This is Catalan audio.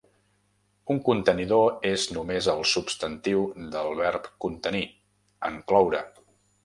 Un contenidor és només el substantiu del verb contenir, encloure.